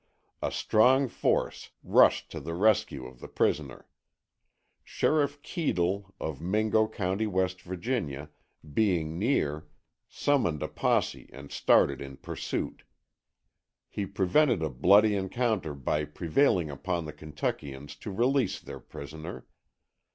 A strong force rushed to the rescue of the prisoner. Sheriff Keadle of Mingo County, W. Va., being near, summoned a posse and started in pursuit. He prevented a bloody encounter by prevailing upon the Kentuckians to release their prisoner.